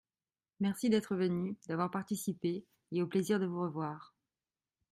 Merci d’être venu, d’avoir participé et au plaisir de vous revoir.